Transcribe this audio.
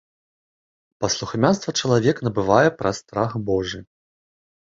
Паслухмянства чалавек набывае праз страх божы.